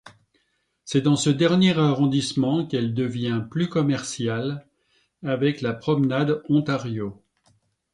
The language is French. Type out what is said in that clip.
C'est dans ce dernier arrondissement qu'elle devient plus commerciale, avec la Promenade Ontario.